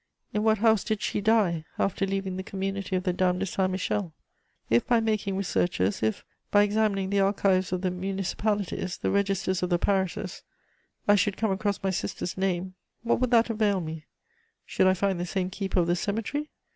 In what house did she die, after leaving the community of the Dames de Saint Michel? If, by making researches, if, by examining the archives of the municipalities, the registers of the parishes, I should come across my sister's name, what would that avail me? Should I find the same keeper of the cemetery?